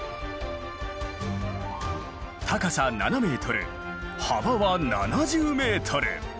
高さ７ｍ幅は７０ｍ！